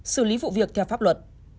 xử lý vụ việc theo pháp luật